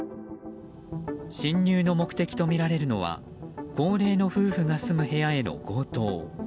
侵入の目的とみられるのは高齢の夫婦が住む部屋への強盗。